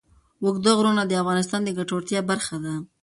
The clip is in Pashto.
اوږده غرونه د افغانانو د ګټورتیا برخه ده.